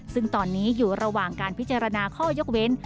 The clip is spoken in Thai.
ซึ่งตอนนี้อยู่ระหว่างการพิจารณาข้อยกเว้น